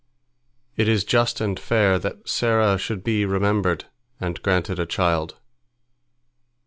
It is just and fair that Sarah should be remembered and granted a child."